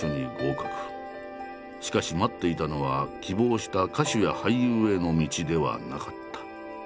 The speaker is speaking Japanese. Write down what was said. しかし待っていたのは希望した歌手や俳優への道ではなかった。